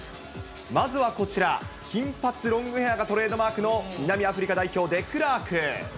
まずはこちら、金髪ロングヘアがトレードマークの南アフリカ代表、デクラーク。